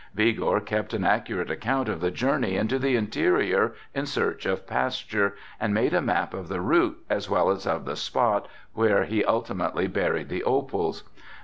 Vigor kept an accurate account of the journey into the interior in search of pasture and made a map of the route as well as of the spot where he ultimately buried the opals.